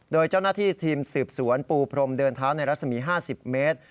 โดยเจ้าหน้าที่ทีมสืบสวนปูพรมเดินเท้าในรัศมี๕๐เมตร